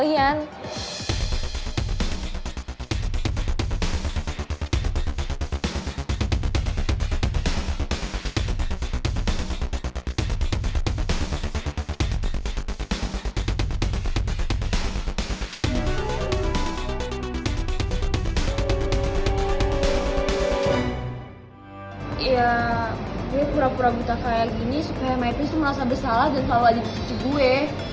iya gue pura pura buta kayak gini supaya my prince tuh merasa bersalah dan kalau lagi kecik kecik gue